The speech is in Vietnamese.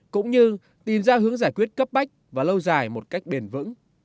cũng như tìm ra hướng giải quyết cấp bách và lâu dài một cách bền vững